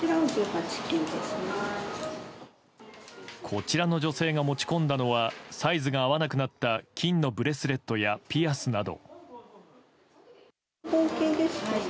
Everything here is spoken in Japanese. こちらの女性が持ち込んだのはサイズが合わなくなった金のブレスレットやピアスなど。